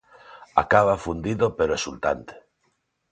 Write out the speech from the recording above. Acaba fundido pero exultante.